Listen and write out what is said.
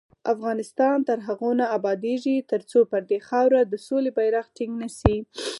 افغانستان تر هغو نه ابادیږي، ترڅو پر دې خاوره د سولې بیرغ ټینګ نشي.